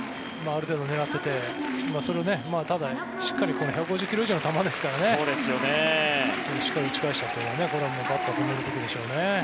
ある程度狙っていてそれを、ただ、しっかり１５０ｋｍ以上の球ですからねしっかり打ち返したというのはバッター褒めるべきでしょうね。